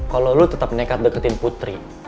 kalau lo tetap nekat deketin putri